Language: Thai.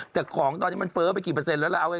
แต่ของตอนนี้มันเฟ้อไปกี่เปอร์เซ็นแล้วล่ะ